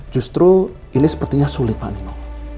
justru ini sepertinya sulit pak nino